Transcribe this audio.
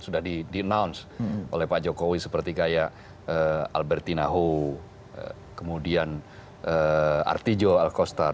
sudah di announce oleh pak jokowi seperti kayak albertina ho kemudian artijo alkostar